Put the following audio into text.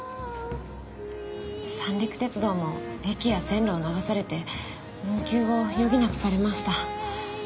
三陸鉄道も駅や線路を流されて運休を余儀なくされました。